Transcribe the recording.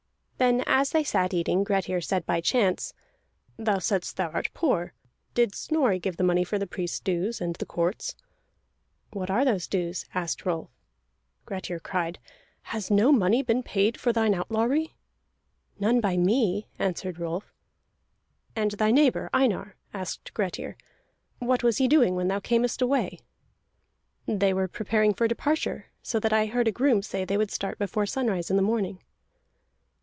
Then, as they sat eating, Grettir said by chance: "Thou saidst thou art poor. Did Snorri give the money for the priest's dues, and the court's?" "What are those dues?" asked Rolf. Grettir cried: "Has no money been paid for thine outlawry?" "None by me," answered Rolf. "And thy neighbor Einar," asked Grettir. "What was he doing when thou earnest away?" "They were preparing for departure, so that I heard a groom say they would start before sunrise in the morning."